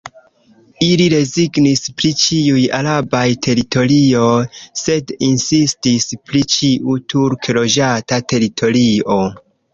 Ili rezignis pri ĉiuj arabaj teritorioj, sed insistis pri ĉiu turk-loĝata teritorio.